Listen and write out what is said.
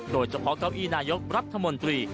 โดยเฉพาะเก้าอีนายกรัฐมนตรี